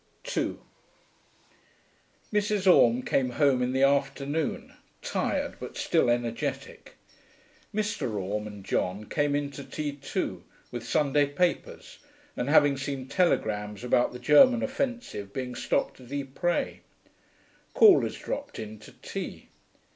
2 Mrs. Orme came home in the afternoon, tired but still energetic. Mr. Orme and John came in to tea too, with Sunday papers and having seen telegrams about the German offensive being stopped at Ypres. Callers dropped in to tea.